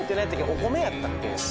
お米やったっけ？